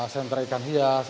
senter ikan hias